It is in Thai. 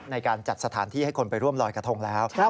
ในการจัดสถานที่ให้คนไปร่วมลอยกระทงแล้ว